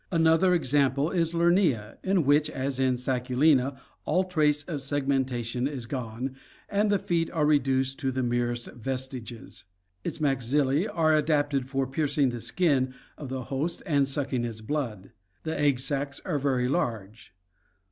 Another example is Lerttaa (Fig. 45, D), in which, as in Sacculina, all trace of segmentation is gone and the feet are reduced to the merest vestiges. Its maxilla; are adapted for piercing the skin of the host and suck ing its blood. The egg sacs are very large.